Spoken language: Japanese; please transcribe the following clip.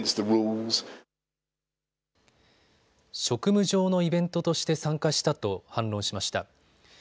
職務上のイベントとして参加したと反論しました。